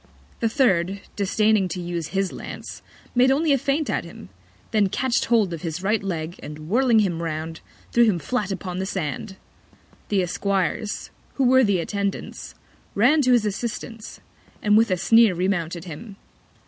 The third, disdaining to use his Lance, made only a Feint at him: Then catch'd hold of his Right Leg, and whirling him round, threw him flat upon the Sand. The Esquires, who were the Attendants, ran to his Assistance, and with a Sneer remounted him.